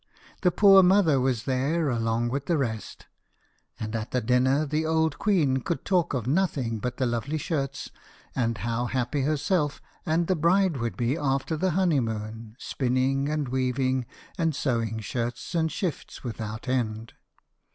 The poor mother was there along with the rest, and at the dinner the old queen could talk of nothing but the lovely shirts, and how happy herself and the bride would be after the honeymoon, spinning, and weaving, and sewing shirts and shifts without end.